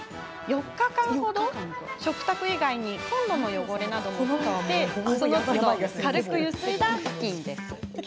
４日間程、食卓以外にコンロの汚れなども拭いてそのつど軽くゆすいだふきんです。